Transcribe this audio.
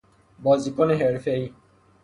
بازیکن حرفه ای